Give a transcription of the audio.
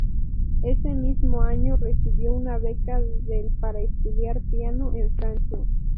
Ese mismo año recibió una beca del para estudiar piano en Francia.